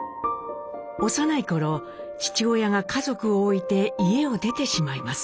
幼い頃父親が家族をおいて家を出てしまいます。